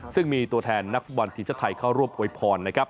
ซึ่งมีตัวแทนนักฟุตบอลทีมชาติไทยเข้าร่วมอวยพรนะครับ